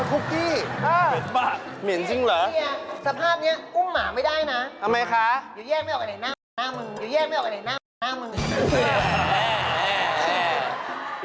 ทุกน้องก็อยู่ตรงนี้